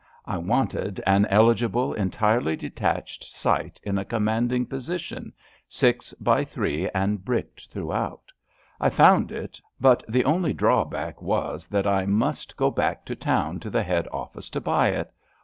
I wanted an eligi ble, entirely detached site in a commanding posi tion — ^six by three and bricked throughout. I found it, but the only drawback was that I must go back to town to the head oflfice to buy it.